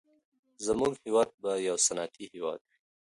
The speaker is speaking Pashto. زموږ هېواد به يو صنعتي هېواد وي.